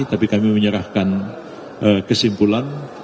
tapi kami menyerahkan kesimpulan